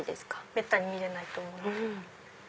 めったに見れないと思うので。